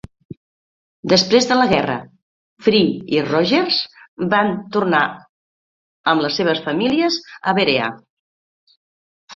Després de la guerra, Fee i Rogers van tornar amb els seves famílies a Berea.